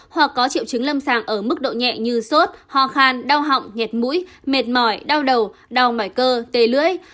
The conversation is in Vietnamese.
hoặc có triệu chứng lâm sàng ở mức độ nhẹ như sốt ho khan đau họng hẹt mũi mệt mỏi đau đầu đau mải cơ tê lưỡi